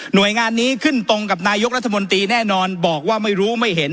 โดยงานนี้ขึ้นตรงกับนายกรัฐมนตรีแน่นอนบอกว่าไม่รู้ไม่เห็น